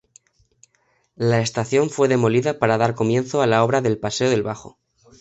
La estación fue demolida para dar comienzo a la obra del Paseo del Bajo.